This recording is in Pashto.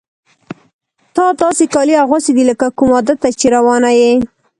تا داسې کالي اغوستي دي لکه کوم واده ته چې روانه یې.